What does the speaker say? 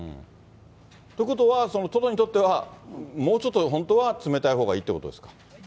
ということは、トドにとっては、もうちょっと本当は冷たいほうがいいということですか。